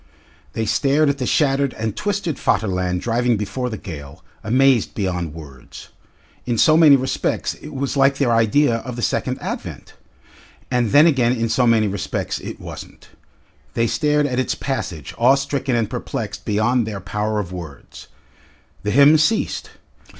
They stared at the shattered and twisted Vaterland driving before the gale, amazed beyond words. In so many respects it was like their idea of the Second Advent, and then again in so many respects it wasn't. They stared at its passage, awe stricken and perplexed beyond their power of words. The hymn ceased.